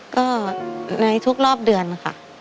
ก็ในทุกรอบเดือนค่ะ